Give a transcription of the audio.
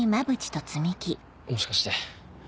もしかして。